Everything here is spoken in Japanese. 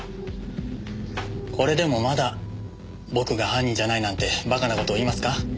これでもまだ僕が犯人じゃないなんてバカな事を言いますか？